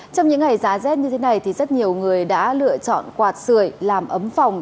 trong những ngày giá rét như thế này thì rất nhiều người đã lựa chọn quạt sửa làm ấm phòng